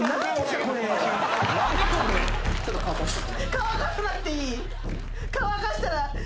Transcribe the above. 乾かさなくていい。